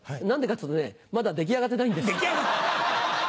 何でかっていうとねまだ出来上がってないんです。